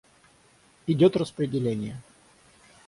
Идёт распределение.